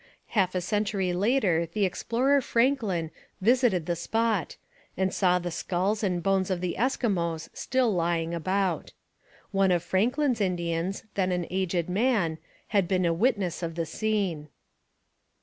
Half a century later the explorer Franklin visited the spot and saw the skulls and bones of the Eskimos still lying about. One of Franklin's Indians, then an aged man, had been a witness of the scene.